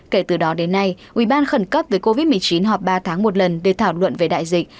kể từ đó đến nay ubnd khẩn cấp về covid một mươi chín họp ba tháng một lần để thảo luận về đại dịch